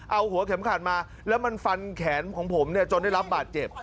เอาหัวเข็มขัดมาแล้วมันฟันแขนของผมเนี่ยจนได้รับบาดเจ็บ